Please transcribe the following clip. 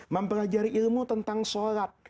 mempelajari ilmu tentang solat